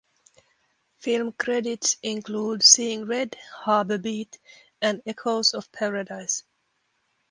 Film credits include "Seeing Red", "Harbour Beat" and "Echoes of Paradise".